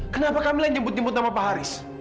kenapa camilla yang jemput jemput sama pak haris